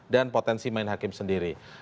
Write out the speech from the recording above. dan potensi main hakim sendiri